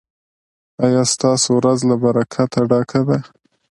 ایا ستاسو ورځ له برکته ډکه ده؟